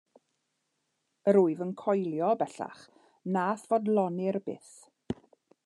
Yr wyf yn coelio, bellach, na'th foddlonir byth.